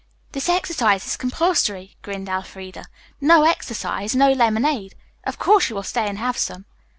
"This exercise is compulsory," grinned Elfreda. "No exercise, no lemonade. Of course, you will stay and have some."